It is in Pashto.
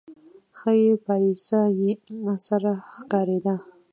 ښۍ پايڅه يې سره ښکارېده.